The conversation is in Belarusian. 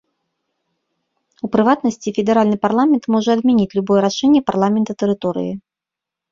У прыватнасці, федэральны парламент можа адмяніць любое рашэнне парламента тэрыторыі.